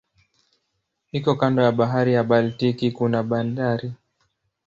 Iko kando ya bahari ya Baltiki kuna bandari.